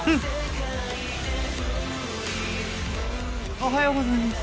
おはようございます。